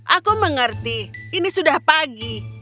aku mengerti ini sudah pagi